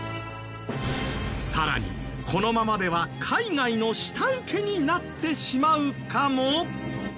さらにこのままでは海外の下請けになってしまうかも？